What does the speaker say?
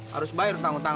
harus bayar utang utang lo